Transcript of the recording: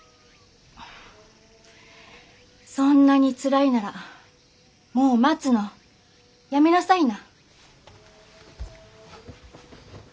そんなにつらいならもう待つのやめなさいな。